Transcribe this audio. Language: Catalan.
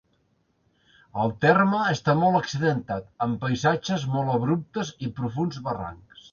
El terme està molt accidentat, amb paisatges molt abruptes i profunds barrancs.